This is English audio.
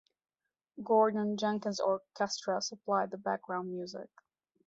Gordon Jenkins Orchestra supplied the background music.